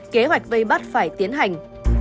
kế hoạch vây bắt phải tiến hành